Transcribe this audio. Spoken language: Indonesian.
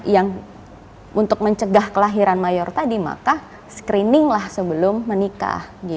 yang untuk mencegah kelahiran mayor tadi maka screeninglah sebelum menikah